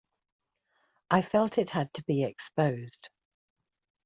I felt it had to be exposed.